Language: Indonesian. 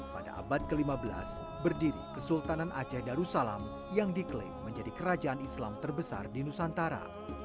pada abad ke lima belas berdiri kesultanan aceh darussalam yang diklaim menjadi kerajaan islam terbesar di nusantara